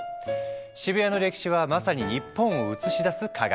渋谷の歴史はまさに日本を映し出す鏡。